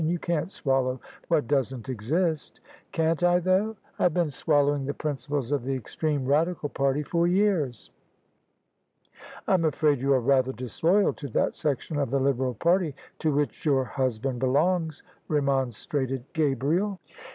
You can't swallow what doesn't exist." "Can't I though? I've been swallowing the principles of the extreme Radical party for years." " I'm afraid you are rather disloyal to that section of the Liberal party to which your husband belongs," remon strated Gabriel.